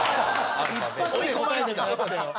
追い込まれてたんだ。